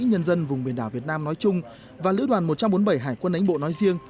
nhân dân vùng biển đảo việt nam nói chung và lữ đoàn một trăm bốn mươi bảy hải quân ánh bộ nói riêng